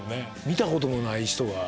見たこともない人が。